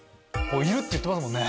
いるって言ってますもんね。